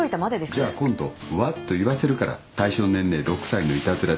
じゃあ今度うわっと言わせるから対象年齢６歳のいたずらで。